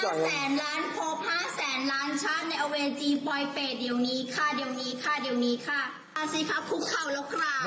ช่วยตัวเองหน่อยสิคะเดินออกประตูไปค่ะ